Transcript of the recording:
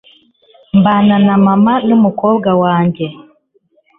Mbana na mama n'umukobwa wanjye.